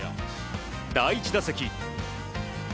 第１打席。